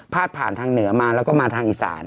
ผ่านทางเหนือมาแล้วก็มาทางอีสาน